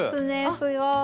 すごい！